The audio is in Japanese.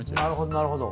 なるほど。